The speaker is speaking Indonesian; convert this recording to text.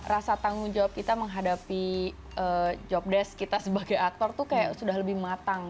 rasa tanggung jawab kita menghadapi jobdesk kita sebagai aktor tuh kayak sudah lebih matang